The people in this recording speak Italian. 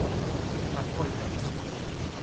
Ma poi penso.